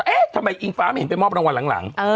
เอ๊ะทำไมอิงฟ้าไม่เห็นไปมอบรางวัลหลัง